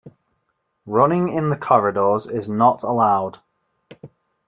Running in the corridors is not allowed